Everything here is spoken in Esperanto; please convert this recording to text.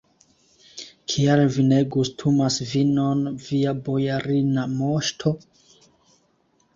Kial vi ne gustumas vinon, via bojarina moŝto?